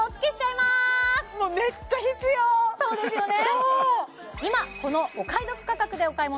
そうですよね